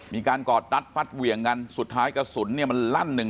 กอดรัดฟัดเหวี่ยงกันสุดท้ายกระสุนเนี่ยมันลั่นหนึ่ง